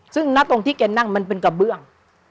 ซึ่งณตรงที่แกนั่งมันเป็นกระเบื้อง